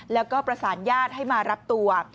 แล้วก็ประสานญาติให้มารับตัว